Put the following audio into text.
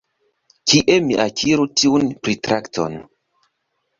Kie mi akiru tiun pritrakton?